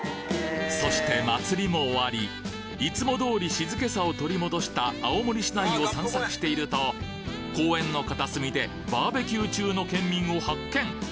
そして祭りも終わりいつも通り静けさを取り戻した青森市内を散策していると公園の片隅でバーベキュー中の県民を発見！